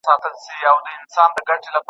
ډیپلوماټیک استازي په بهر کي د خپل ولس ږغ دي.